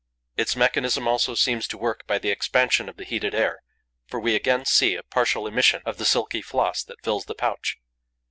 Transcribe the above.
Its mechanism also seems to work by the expansion of the heated air, for we again see a partial emission of the silky floss that fills the pouch.